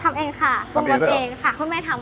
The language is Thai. ทำเองค่ะปรุงรสเองค่ะคุณแม่ทำ